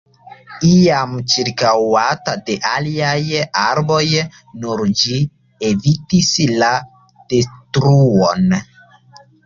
Iam ĉirkaŭata de aliaj arboj, nur ĝi evitis la detruon.